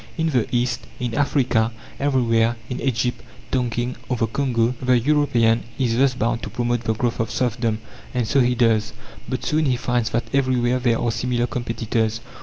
In the East, in Africa, everywhere, in Egypt, Tonkin or the Congo, the European is thus bound to promote the growth of serfdom. And so he does. But soon he finds that everywhere there are similar competitors.